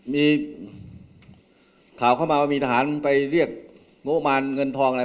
มีข่าวเข้ามาว่ามีทหารไปเรียกงบมารเงินทองอะไร